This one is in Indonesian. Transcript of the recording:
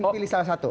pilih salah satu